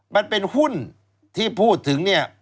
มันเป็นหุ้นที่พูดถึงเนี่ย